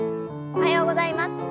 おはようございます。